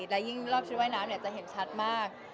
และยิ่งรอบชุดว่ายน้ำจะเห็นชัดมาก